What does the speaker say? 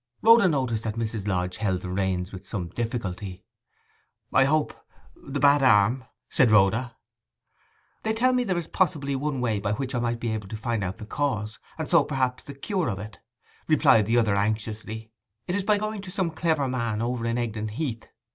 Rhoda noticed that Mrs. Lodge held the reins with some difficulty. 'I hope—the bad arm,' said Rhoda. 'They tell me there is possibly one way by which I might be able to find out the cause, and so perhaps the cure, of it,' replied the other anxiously. 'It is by going to some clever man over in Egdon Heath.